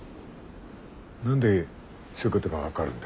何でそういうことが分かるんだ？